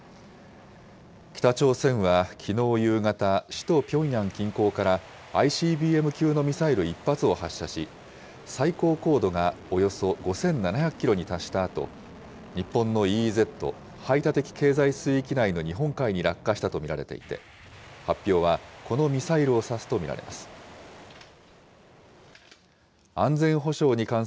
北朝鮮はきのう夕方、首都ピョンヤン近郊から、ＩＣＢＭ級のミサイル１発を発射し、最高高度がおよそ５７００キロに達したあと、日本のＥＥＺ・排他的経済水域内の日本海に落下したと見られていて、発表はこのミサイルを指すと見られます。